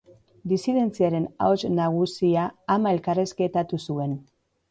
Disidentziaren ahots nagusia ama elkarrizketatu zuen.